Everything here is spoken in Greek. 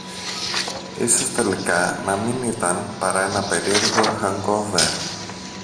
Ίσως τελικά να μην ήταν παρά ένα περίεργο hangover